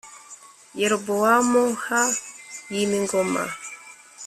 Yerobowamu h yima ingoma